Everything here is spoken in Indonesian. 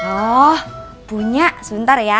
oh punya sebentar ya